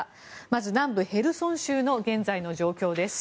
まず南部ヘルソン州の現在の状況です。